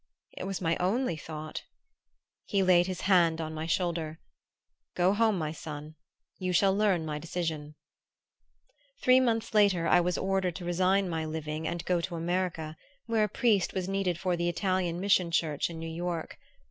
"It was my only thought." He laid his hand on my shoulder. "Go home, my son. You shall learn my decision." Three months later I was ordered to resign my living and go to America, where a priest was needed for the Italian mission church in New York.